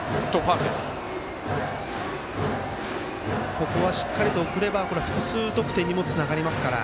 ここはしっかりと送れば複数得点にもつながりますから。